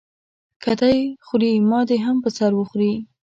که دی خوري ما دې هم په سر وخوري.